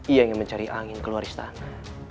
ia ingin mencari angin keluar istana